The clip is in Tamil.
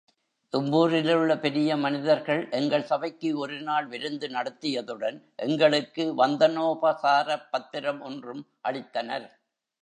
இவ்வூரிலுள்ள பெரிய மனிதர்கள், எங்கள் சபைக்கு ஒரு நாள் விருந்து நடத்தியதுடன் எங்களுக்கு வந்தனோபசாரப் பத்திரம் ஒன்றும் அளித்தனர்.